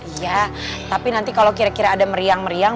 iya tapi nanti kalau kira kira ada meriang meriang